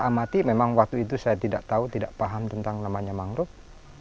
amati memang waktu itu saya tidak tahu tidak paham tentang namanya mangrove